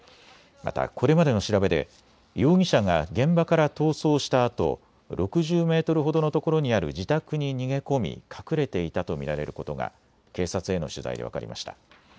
また、これまでの調べで容疑者が現場から逃走したあと６０メートルほどのところにある自宅に逃げ込み隠れていたと見られることが警察への取材で分かりました。